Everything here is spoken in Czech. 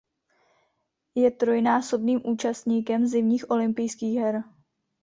Je trojnásobným účastníkem zimních olympijských her.